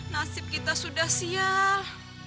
nasib kita sudah sial